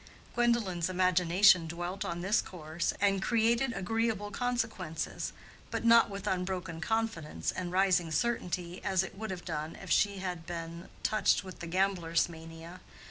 Gwendolen's imagination dwelt on this course and created agreeable consequences, but not with unbroken confidence and rising certainty as it would have done if she had been touched with the gambler's mania.